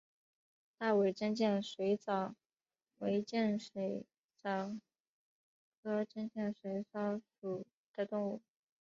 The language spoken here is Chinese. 大尾真剑水蚤为剑水蚤科真剑水蚤属的动物。